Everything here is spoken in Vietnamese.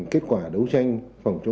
kết quả đấu tranh